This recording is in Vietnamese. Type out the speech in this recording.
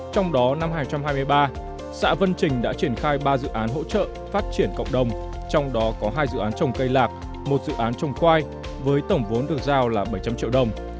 trong đó năm hai nghìn hai mươi ba xã vân trình đã triển khai ba dự án hỗ trợ phát triển cộng đồng trong đó có hai dự án trồng cây lạc một dự án trồng khoai với tổng vốn được giao là bảy trăm linh triệu đồng